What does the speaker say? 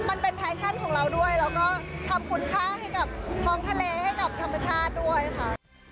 มันเป็นแฟชั่นของเราด้วยแล้วก็ทำคุณค่าให้กับท้องทะเลให้กับธรรมชาติด้วยค่ะ